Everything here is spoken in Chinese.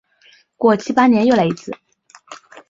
过七八年又来一次。